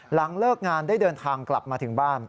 หลังเลิกงานได้เดินทางกลับมาถึงบ้าน